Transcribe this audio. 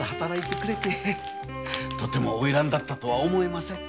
とても花魁だったとは思えません。